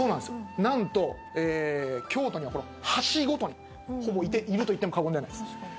何と京都には、橋ごとにほぼいると言っても過言ではないです。